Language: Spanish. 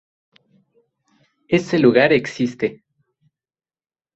Ese lugar existe.